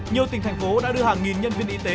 nhiều tỉnh thành phố đã đưa hàng nghìn nhân viên y tế